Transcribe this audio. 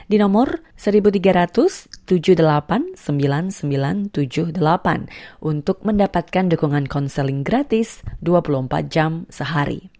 di nomor seribu tiga ratus tujuh puluh delapan sembilan ratus tujuh puluh delapan untuk mendapatkan dukungan konseling gratis dua puluh empat jam sehari